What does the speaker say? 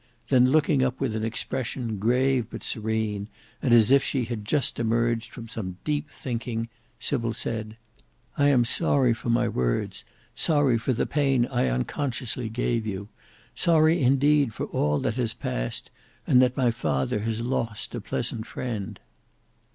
Then looking up with an expression grave but serene, and as if she had just emerged from some deep thinking, Sybil said, "I am sorry for my words; sorry for the pain I unconsciously gave you; sorry indeed for all that has past: and that my father has lost a pleasant friend."